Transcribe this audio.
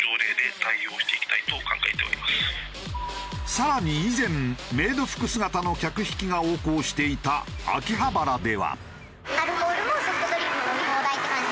さらに以前メイド服姿の客引きが横行していた真ん中ね。